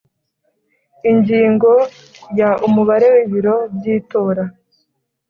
Ingingo ya Umubare w ibiro by itora